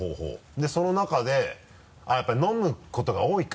でその中であっやっぱり飲むことが多いか？